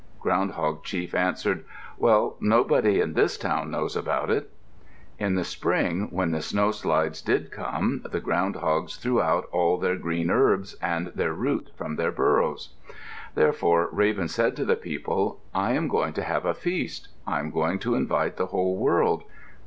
Ground hog chief answered, "Well, nobody in this town knows about it." In the spring when the snowslides did come, the Ground hogs threw out all their green herbs, and their roots from their burrows. Therefore Raven said to the people, "I am going to have a feast. I am going to invite the whole world."